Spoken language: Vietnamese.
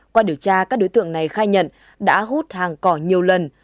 qua điều tra các đối tượng này khai nhận đã hút hàng cỏ nhiều lần